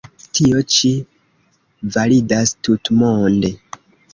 Tio ĉi validas tutmonde.